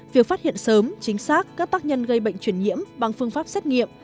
việc phát hiện sớm chính xác các tác nhân gây bệnh chuyển nhiễm bằng phương pháp xét nghiệm